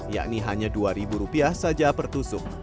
yakni hanya rp dua saja per tusuk